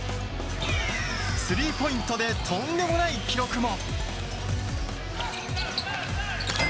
スリーポイントでとんでもない記録も。